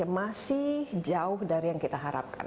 masih jauh dari yang kita harapkan